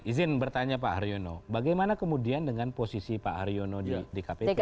izin bertanya pak haryono bagaimana kemudian dengan posisi pak haryono di kpp